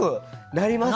なります。